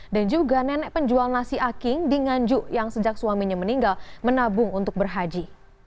dan juga nenek penjual nasi aking di nganjuk yang sejak suaminya meninggal menabung untuk berhaji